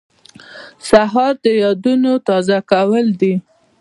سهار د یادونو تازه کول دي.